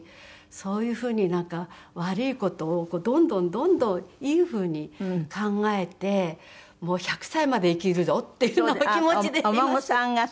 そういうふうになんか悪い事をどんどんどんどんいいふうに考えて１００歳まで生きるぞっていうふうな気持ちでいます。